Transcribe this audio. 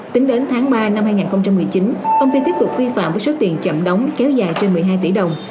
tính đến tháng ba năm hai nghìn một mươi chín công ty tiếp tục vi phạm với số tiền chậm đóng kéo dài trên một mươi hai tỷ đồng